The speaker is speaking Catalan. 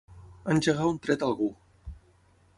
Engegar un tret a algú.